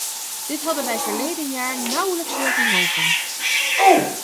Dit hadden wij verleden jaar nauwelijks durven hopen.